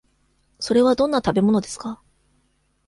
それはどんな食べ物ですか。